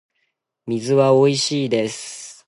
水はおいしいです